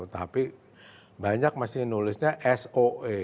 tapi banyak masih nulisnya soe